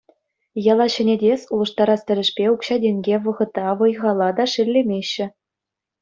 Яла ҫӗнетес, улӑштарас тӗлӗшпе укҫа-тенке, вӑхӑта, вӑй-хала та шеллемеҫҫӗ.